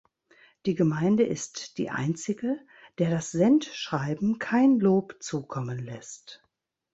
Die Gemeinde ist die einzige, der das Sendschreiben kein Lob zukommen lässt.